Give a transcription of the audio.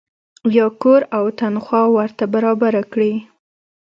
یا کور او تنخوا ورته برابره کړي.